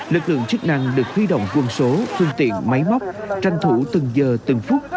lực lượng chức năng được huy động quân số phương tiện máy móc tranh thủ từng giờ từng phút